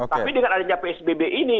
tapi dengan adanya psbb ini